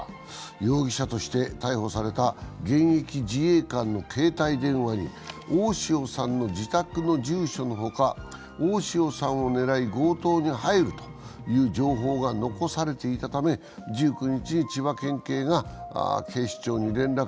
容疑者として逮捕された現役自衛官の携帯電話に大塩さんの自宅の住所のほか、大塩さんを狙い強盗に入るという情報が残されていたため１９日に千葉県警が警視庁に連絡。